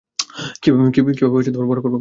কিভাবে বড় করবো?